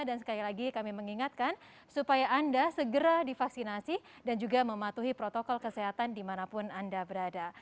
dan sekali lagi kami mengingatkan supaya anda segera divaksinasi dan juga mematuhi protokol kesehatan dimanapun anda berada